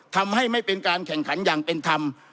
ทำให้ไม่เป็นการแข่งขันอย่างเป็นธรรม